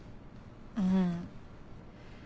うん。